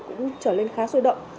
cũng trở lên khá sôi động